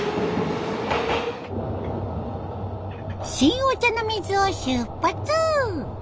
新御茶ノ水を出発！